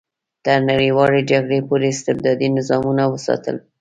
تر نړیوالې جګړې پورې استبدادي نظامونه وساتل.